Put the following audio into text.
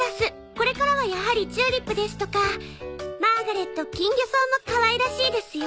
これからはやはりチューリップですとかマーガレットキンギョソウもかわいらしいですよ。